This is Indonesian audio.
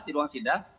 di ruang sidang